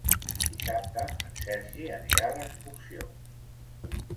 Dissabte en Sergi anirà d'excursió.